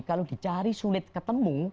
kalau dicari sulit ketemu